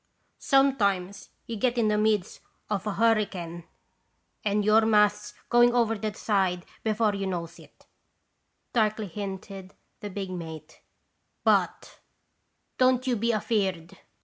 "" Sometimes you gets in the midst of a hur 202 QV tSrciricms imitation. ricane and your masts going over the side before you knows it," darkly hinted the big mate, " but don't you be afeard.